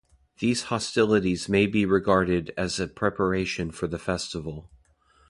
These hostilities may be regarded as a preparation for the festival.